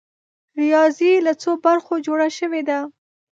ریاضي له څو برخو جوړه شوې ده؟